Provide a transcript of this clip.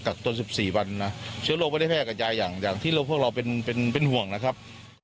กับต้นสิบสี่บันอ่ะเชื้อโรคพระเทศกระจายอย่างจากที่พวกเราเป็นเป็นเป็นห่วงนะครับ